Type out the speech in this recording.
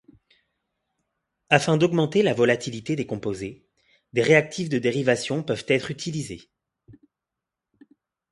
Afin d’augmenter la volatilité des composés, des réactifs de dérivation peuvent être utilisés.